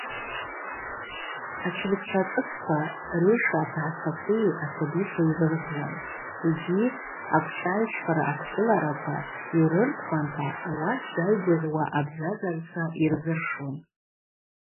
Ачгӏвыча шӏыцква рейша атгӏачвакви асабикви йрыртуан йгьи агвчӏагӏвчпара адкӏылараква йрыртуанта ауат зайгвыгӏвуа абзазагӏвчва йрзыршун.